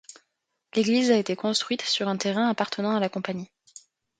L’église a été construite sur un terrain appartenant à la Compagnie.